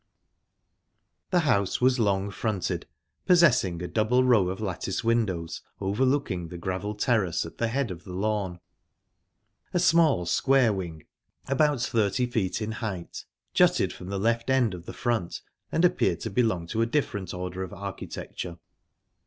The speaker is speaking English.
The house was long fronted, possessing a double row of lattice windows overlooking the gravel terrace at the head of the lawn. A small, square wing, about thirty feet in height, jutted from the left end of the front, and appeared to belong to a different order of architecture.